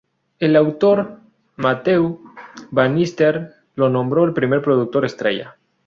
El autor Matthew Bannister lo nombró el primer productor "estrella".